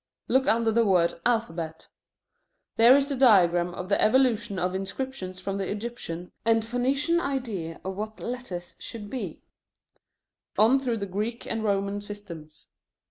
Look under the word alphabet. There is the diagram of the evolution of inscriptions from the Egyptian and Phoenician idea of what letters should be, on through the Greek and Roman systems.